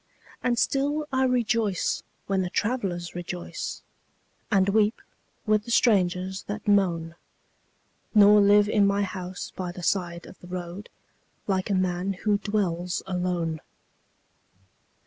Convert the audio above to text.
And still I rejoice when the travelers rejoice And weep with the strangers that moan, Nor live in my house by the side of the road Like a man who dwells alone.